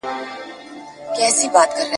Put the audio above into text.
چي د زرکي په څېر تور ته خپل دوستان وړي ,